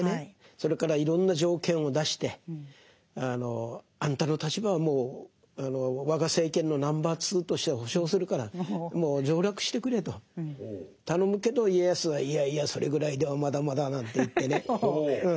それからいろんな条件を出してあんたの立場はもう我が政権のナンバー２として保証するからもう上洛してくれと頼むけど家康はいやいやそれぐらいではまだまだなんて言ってね。